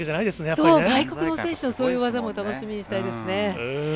そう、外国の選手の技も楽しみにしたいですね。